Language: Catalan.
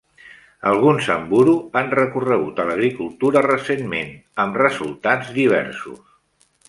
Alguns Samburu han recorregut a l'agricultura recentment, amb resultats diversos.